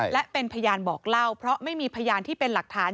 และเป็นพยานบอกเล่าเพราะไม่มีพยานที่เป็นหลักฐาน